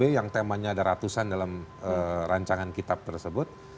karena temanya ada ratusan dalam rancangan kitab tersebut